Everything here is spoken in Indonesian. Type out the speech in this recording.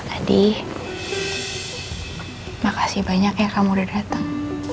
adi makasih banyak ya kamu udah dateng